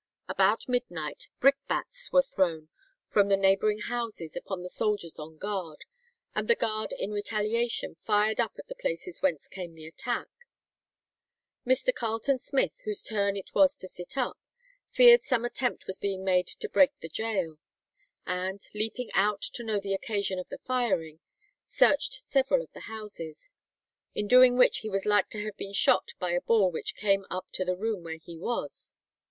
About midnight brickbats were thrown from the neighbouring houses upon the soldiers on guard; and the guard in retaliation fired up at the places whence came the attack. Mr. Carleton Smith whose turn it was to sit up, feared some attempt was being made to break the gaol, and "leaping out to know the occasion of the firing, searched several of the houses; in doing which he was like to have been shot by a ball which came up to the room where he was."